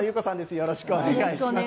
よろしくお願いします。